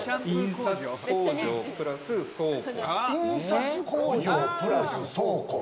印刷工場プラス倉庫。